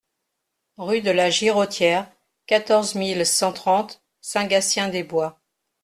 Rue de la Girotière, quatorze mille cent trente Saint-Gatien-des-Bois